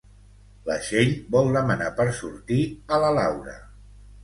La Txell vol demanar per sortir a la Laura.